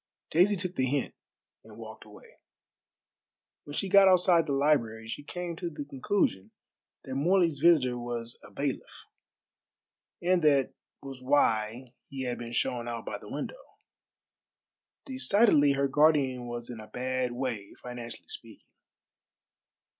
Daisy took the hint and walked away. When she got outside the library she came to the conclusion that Morley's visitor was a bailiff, and that was why he had been shown out by the window. Decidedly her guardian was in a bad way financially speaking.